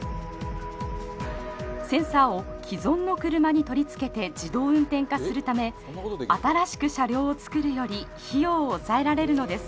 センサーを既存の車に取り付けて自動運転化するため新しく車両を作るより費用を抑えられるのです。